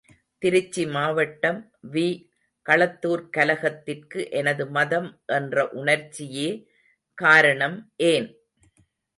திருச்சி மாவட்டம் வி.களத்துார்க் கலகத்திற்கு எனது மதம் என்ற உணர்ச்சியே காரணம் ஏன்?